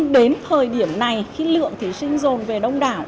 đến thời điểm này khi lượng thí sinh rồn về đông đảo